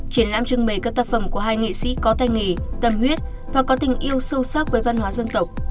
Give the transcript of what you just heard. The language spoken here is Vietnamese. triển lãm trưng bày các tác phẩm của hai nghệ sĩ có tay nghề tâm huyết và có tình yêu sâu sắc với văn hóa dân tộc